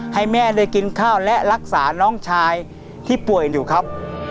ให้แม่ได้กินข้าวและรักษาน้องชายที่ป่วยอยู่ครับ